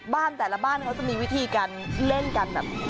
แต่ละบ้านเขาจะมีวิธีการเล่นกันแบบ